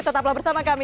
tetaplah bersama kami